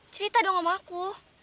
cerita dong sama aku